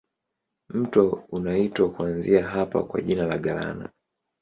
Mto unaitwa kuanzia hapa kwa jina la Galana.